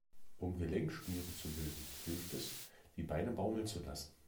Um Gelenkschmiere zu bilden, hilft es, die Beine baumeln zu lassen.